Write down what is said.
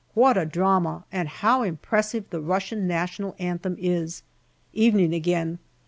What a drama, and how impressive the Russian National Anthem is. Evening again.